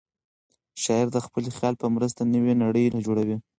شاعر د خپل خیال په مرسته نوې نړۍ جوړوي.